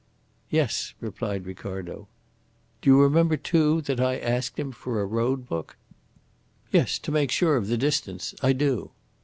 "Yes," replied Ricardo. "Do you remember too that I asked him for a road book?" "Yes; to make sure of the distance. I do."